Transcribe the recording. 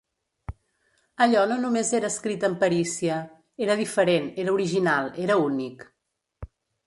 Allò no només era escrit amb perícia: era diferent, era original, era únic.